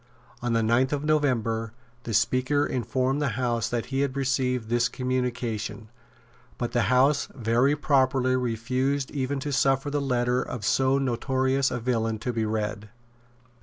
On the ninth of November the Speaker informed the House that he had received this communication; but the House very properly refused even to suffer the letter of so notorious a villain to be read.